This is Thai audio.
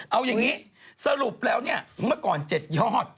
เอาอย่างนี้สรุปแล้วเนี่ยเมื่อก่อน๗ยอด